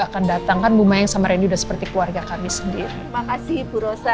akan datang kan bu mayang sama randy udah seperti keluarga kami sendiri makasih bu rosa